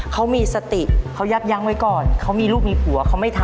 เขามีสติเขายับยั้งไว้ก่อนเขามีลูกมีผัวเขาไม่ทำ